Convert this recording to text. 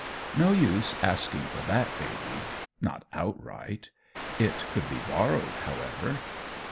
No use asking for that baby! Not outright. It could be borrowed, however.